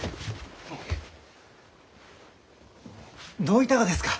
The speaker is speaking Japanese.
どういたがですか？